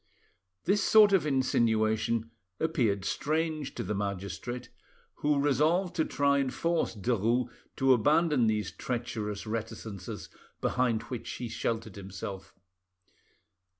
This sort of insinuation appeared strange to the magistrate, who resolved to try and force Derues to abandon these treacherous reticences behind which he sheltered himself.